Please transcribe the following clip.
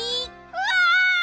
うわ！